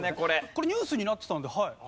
これニュースになってたのではい。